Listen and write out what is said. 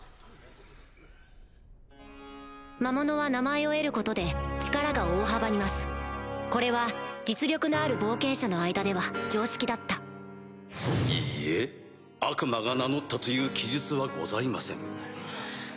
魔物は名前を得ることで力が大幅に増すこれは実力のある冒険者の間では常識だったいいえ悪魔が名乗ったという記述はございません。